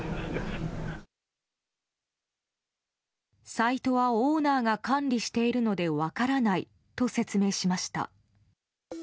サイトはオーナーが管理しているので分からないと説明しました。